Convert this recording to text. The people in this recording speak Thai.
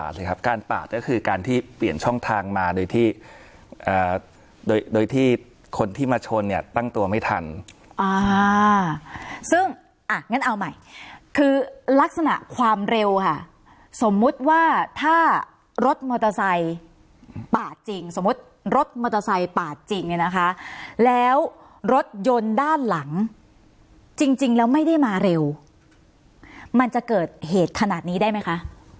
ซึ่งอ่ะงั้นเอาใหม่คือลักษณะความเร็วค่ะสมมติว่าถ้ารถมอเตอร์ไซค์ปาดจริงสมมติรถมอเตอร์ไซค์ปาดจริงเนี่ยนะคะแล้วรถยนต์ด้านหลังจริงแล้วไม่ได้มาเร็วมันจะเกิดเหตุขนาดนี้ได้ไหมคะ